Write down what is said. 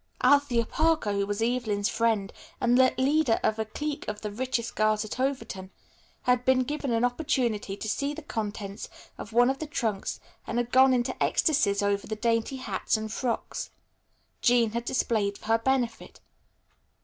Althea Parker, who was Evelyn's friend, and the leader of a clique of the richest girls at Overton, had been given an opportunity to see the contents of one of the trunks and had gone into ecstacies over the dainty hats and frocks Jean had displayed for her benefit.